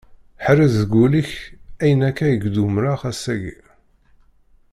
Ḥrez deg wul-ik ayen akka i k-d-umṛeɣ, ass-agi.